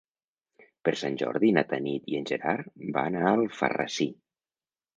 Per Sant Jordi na Tanit i en Gerard van a Alfarrasí.